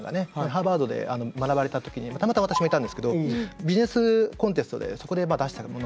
ハーバードで学ばれた時にたまたま私もいたんですけどビジネスコンテストでそこで出したものなんですよね。